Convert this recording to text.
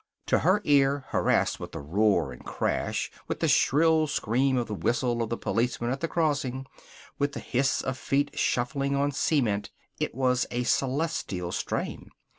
To her ear, harassed with the roar and crash, with the shrill scream of the whistle of the policeman at the crossing, with the hiss of feet shuffling on cement, it was a celestial strain.